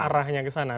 arahnya ke sana